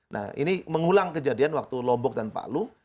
nah ini mengulang kejadian waktu lombok dan palu